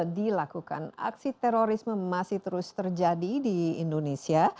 dilakukan aksi terorisme masih terus terjadi di indonesia